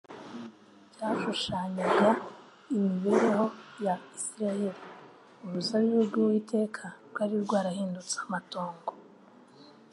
byashushanyaga imibereho ya Isiraheli. Uruzabibu rw'Uwiteka rwari rwarahindutse amatongo